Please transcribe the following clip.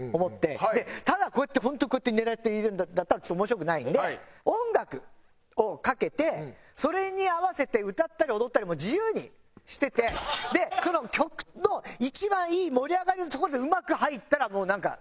ただ本当こうやって狙って入れるんだったら面白くないんで音楽をかけてそれに合わせて歌ったり踊ったりもう自由にしててでその曲と一番いい盛り上がりのとこでうまく入ったらもうなんか。